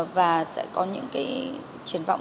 và sẽ có những cái truyền vọng